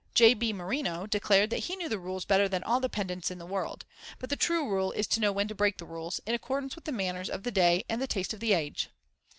J.B. Marino declared that he knew the rules better than all the pedants in the world; "but the true rule is to know when to break the rules, in accordance with the manners of the day and the taste of the age."